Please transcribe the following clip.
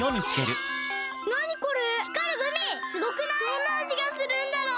どんなあじがするんだろう？